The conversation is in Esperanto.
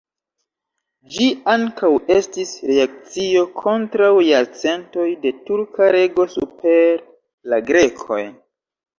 Ĝi ankaŭ estis reakcio kontraŭ jarcentoj de turka rego super la grekoj.